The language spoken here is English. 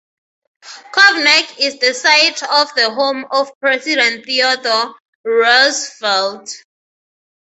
Cove Neck is the site of the home of President Theodore Roosevelt.